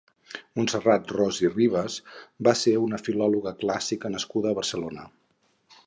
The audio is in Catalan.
Montserrat Ros i Ribas va ser una filòloga clàssica nascuda a Barcelona.